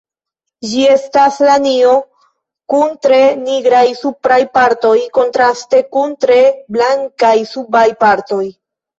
Ĝi estas lanio kun tre nigraj supraj partoj kontraste kun tre blankaj subaj partoj.